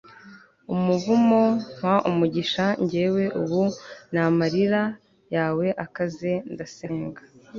Umuvumo mpa umugisha njyewe ubu namarira yawe akaze ndasenga